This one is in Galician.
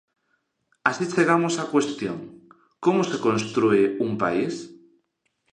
Así chegamos á cuestión: como se constrúe un país?